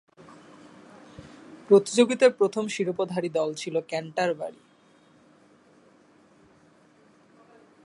প্রতিযোগিতার প্রথম শিরোপাধারী দল ছিল ক্যান্টারবারি।